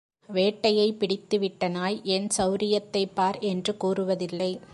வேட்டையைப் பிடித்து விட்ட நாய், என் செளரியத்தைப் பார்! என்று கூறுவதில்லை.